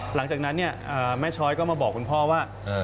หลังจากนั้นเนี่ยแม่ช้อยก็มาบอกคุณพ่อว่า